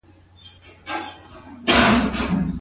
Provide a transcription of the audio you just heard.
که ترافیکي څراغونه فعال وي، نو د موټرو ټکر نه رامنځته کیږي.